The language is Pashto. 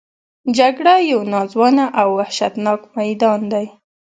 جګړه یو ناځوانه او وحشتناک میدان دی